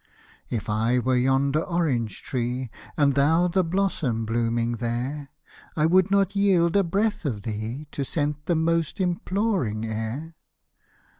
If I were yonder orange tree, And thou the blossom blooming there, I would not yield a breath of thee To scent the most imploring air.